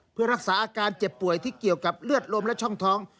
เพื่อรักษาอาการเจ็บป่วยที่เกี่ยวกับเลือดลมและช่องท้อง